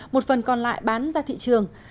một phần còn lại bán ra thị trường